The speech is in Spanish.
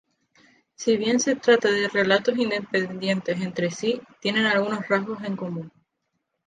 Si bien se trata de relatos independientes entre sí, tienen algunos rasgos en común.